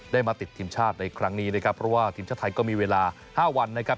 มาติดทีมชาติในครั้งนี้นะครับเพราะว่าทีมชาติไทยก็มีเวลา๕วันนะครับ